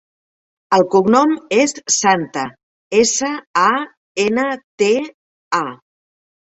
El cognom és Santa: essa, a, ena, te, a.